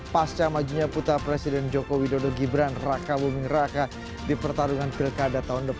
pasca majunya putra presiden joko widodo gibran raka buming raka di pertarungan pilkada tahun depan